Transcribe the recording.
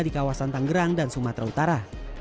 di kawasan tanggerang dan sumatera utara